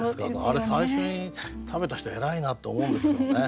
あれ最初に食べた人偉いなって思うんですよね。